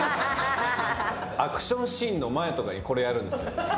アクションシーンの前とかにこれやるんですよ。